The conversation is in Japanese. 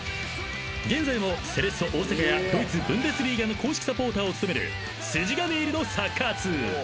［現在もセレッソ大阪やドイツブンデスリーガの公式サポーターを務める筋金入りのサッカー通］